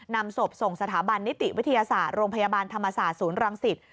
นำศพส่งสถาบันนิติวิทยาศาสตร์โรงพยาบาลธรรมศาสตร์ศูนย์รังสิต